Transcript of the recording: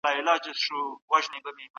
ده پښتو ته شعر او نثر ورکړ